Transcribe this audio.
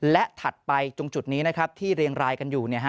และถัดไปตรงจุดนี้นะครับที่เรียงรายกันอยู่